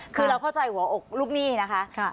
คือเราเข้าใจหัวอกลูกหนี้นะคะ